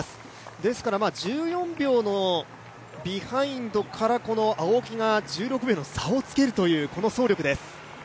ですから１４秒のビハインドからこの青木が１６秒の差をつけるという走力です。